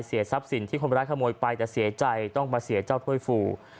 ทรัพย์สินที่คนร้ายขโมยไปแต่เสียใจต้องมาเสียเจ้าถ้วยฟู